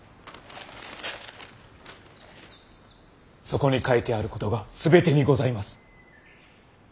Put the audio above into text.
そこに書いてあることが全てにございます。